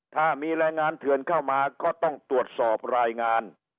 ถ้ามีแรงงานเถื่อนเข้ามาก็ต้องตรวจสอบรายงาน